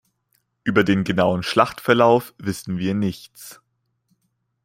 Über den genauen Schlachtverlauf wissen wir nichts.